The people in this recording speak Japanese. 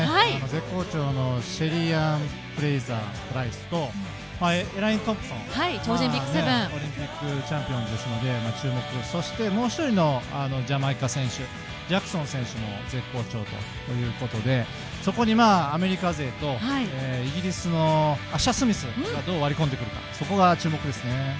絶好調のシェリーアン・フレイザー・プライスとエライン・トンプソン、オリンピックチャンピオンですので注目、そしてもう１人のジャマイカ選手ジャクソン選手も絶好調ということでそこにアメリカ勢とイギリスのアッシャー・スミスがどう割り込んでくるのかそこが注目ですね。